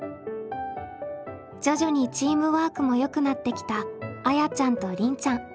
徐々にチームワークもよくなってきたあやちゃんとりんちゃん。